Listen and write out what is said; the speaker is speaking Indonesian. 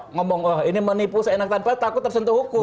ngomong ini menipu takut tersentuh hukum